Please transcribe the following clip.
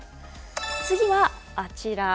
次はあちら。